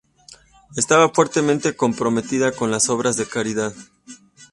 Estaba fuertemente comprometida con las obras de caridad.